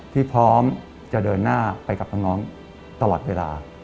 ที่พร้อมจะเดินหน้าไปกับน้องตลอดเวลา